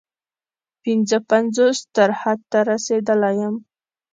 پنځه پنځوس تر حد ته رسېدلی یم.